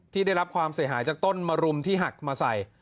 ได้รับความเสียหายจากต้นมรุมที่หักมาใส่